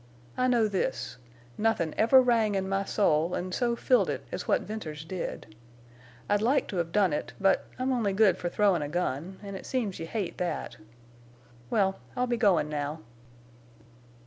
I know this—nothin' ever rang in my soul an' so filled it as what Venters did. I'd like to have done it, but—I'm only good for throwin' a gun, en' it seems you hate that.... Well, I'll be goin' now."